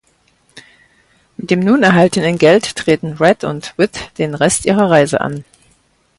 Mit dem nun erhaltenen Geld treten Red und Whit den Rest ihrer Reise an.